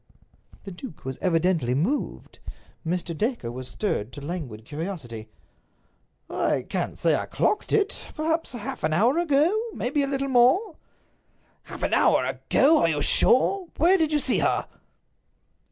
The duke was evidently moved. Mr. Dacre was stirred to languid curiosity. "I can't say I clocked it. Perhaps half an hour ago; perhaps a little more." "Half an hour ago! Are you sure? Where did you see her?"